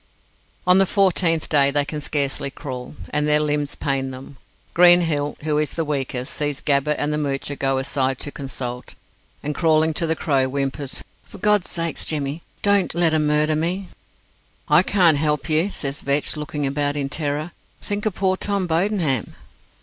On the fourteenth day they can scarcely crawl, and their limbs pain them. Greenhill, who is the weakest, sees Gabbett and the Moocher go aside to consult, and crawling to the Crow, whimpers: "For God's sake, Jemmy, don't let 'em murder me!" "I can't help you," says Vetch, looking about in terror. "Think of poor Tom Bodenham."